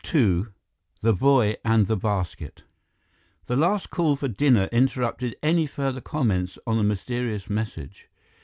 II The Boy and the Basket The last call for dinner interrupted any further comments on the mysterious message.